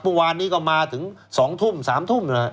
ปลุงวานนี้ก็มาถึง๒ทุ่ม๓ทุ่มนึงแหละ